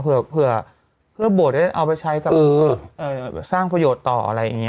เผื่อโบสถ์ได้เอาไปใช้กับสร้างประโยชน์ต่ออะไรอย่างนี้